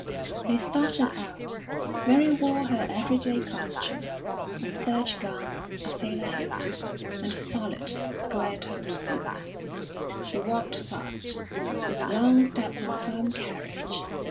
They started out. Mary wore her every day costume a serge gown, a sailor hat, and solid, square toed boots. She walked fast, with long steps and firm carriage.